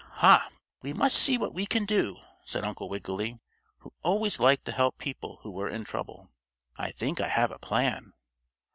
"Ha! We must see what we can do," said Uncle Wiggily, who always liked to help people who were in trouble. "I think I have a plan."